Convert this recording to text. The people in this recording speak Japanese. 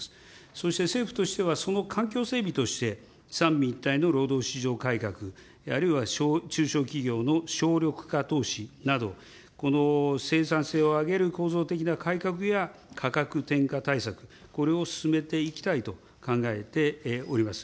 そして政府としては、その環境整備として、三位一体の労働市場改革、あるいは中小企業の省力化投資など、この生産性を上げる構造的な改革や価格転嫁対策、これを進めていきたいと考えております。